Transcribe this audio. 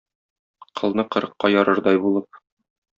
Кылны кырыкка ярырдай булып.